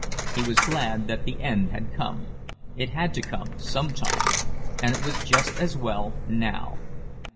He was glad that the end had come—it had to come some time, and it was just as well now.